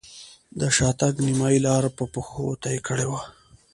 د شاتګ نیمایي لاره مې په پښو طی کړې وه.